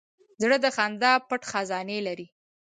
زړه د خندا پټ خزانې لري.